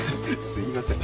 すいません。